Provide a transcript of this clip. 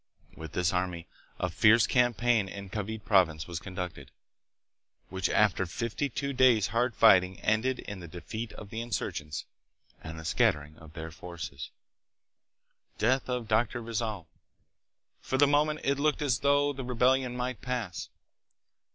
With this army a fierce campaign in C a v i t e province was conducted, which after fifty two days' hard fighting ended in the defeat of the insurgents and the scattering of their forces. Death of Dr. Rizal. For the moment it looked as though the re bellion might pass.